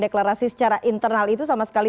deklarasi secara internal itu sama sekali